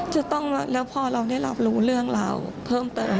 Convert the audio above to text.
จะต้องแล้วพอเราได้รับรู้เรื่องราวเพิ่มเติม